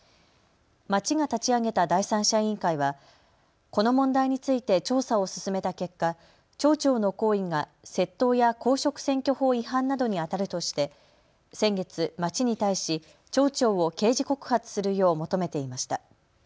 町が立ち上げた第三者委員会はこの問題について調査を進めた結果、町長の行為が窃盗や公職選挙法違反などにあたるとして先月、町に対し町長を刑事告発するよう求めていました。